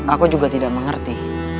aku juga tidak mengerti